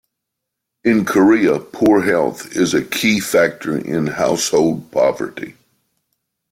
In Korea poor health is a key factor in household poverty.